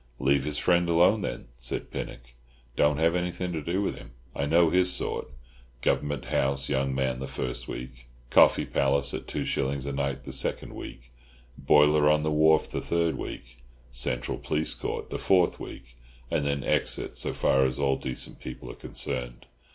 "Leave his friend alone, then," said Pinnock; "don't have anything to do with him. I know his sort—Government House young man the first week, Coffee Palace at two shillings a night the second week, boiler on the wharf the third week, Central Police Court the fourth week, and then exit so far as all decent people are concerned."